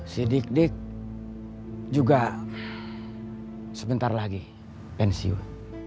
si dik dik juga sebentar lagi pensiun